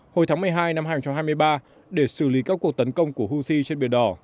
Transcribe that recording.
hồi tháng một mươi hai năm hai nghìn hai mươi ba để xử lý các cuộc tấn công của houthi trên biển đỏ